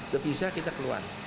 depisa kita keluar